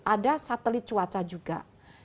ada satelit cuaca juga